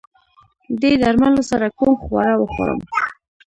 دې درملو سره کوم خواړه وخورم؟